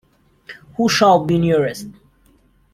Who shall be nearest?